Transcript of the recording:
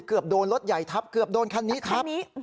เกือบโดนรถใหญ่ทับเกือบโดนคันนี้ทับ